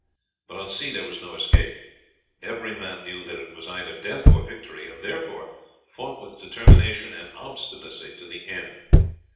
But on sea there was no escape; every man knew that it was either death or victory, and therefore fought with determination and obstinacy to the end.